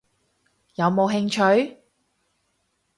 有冇興趣？